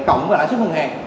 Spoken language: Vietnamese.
cộng với lãi suất ngân hàng